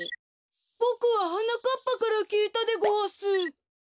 ボクははなかっぱからきいたでごわす。